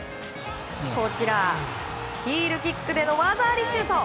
ヒールキックでの技ありシュート。